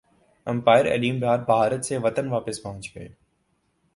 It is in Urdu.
ایمپائر علیم ڈار بھارت سے وطن واپس پہنچ گئے